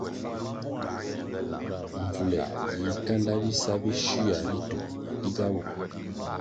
Mbvule yi kanda bisa bi shywia ritu diga wu.